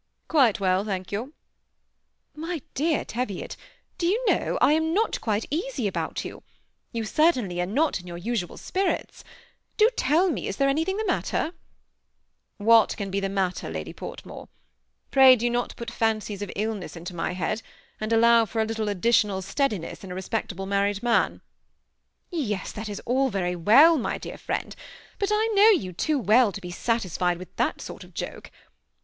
" Quite well, thank yon." " My dear Teviot, do you know I am not quite easy about you. Ton certainly are not in your usual spirits* Do tell me, is there anything the matter ?"" What can be the matter. Lady Portmore ? Pray do not put fancies of illness into my head, and allow for a little additional steadiness in a respectable married man.*' " Yes, that is all very well, my dear friend ; but I know you too well to be satisfied with that sort of joke.